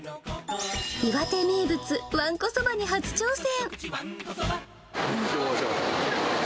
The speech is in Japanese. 岩手名物、わんこそばに初挑戦。